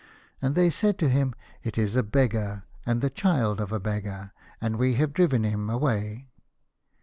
And they said to him, "It is a beggar and the child of a beggar, and we have driven him away."